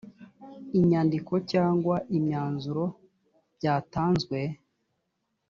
inyandiko cyangwa imyanzuro byatanzwe